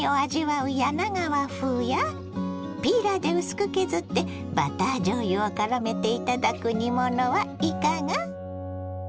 柳川風やピーラーで薄く削ってバターじょうゆをからめて頂く煮物はいかが。